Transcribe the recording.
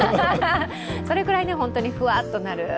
それくらい本当にふわっとなる。